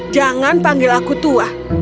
jangan panggil aku tua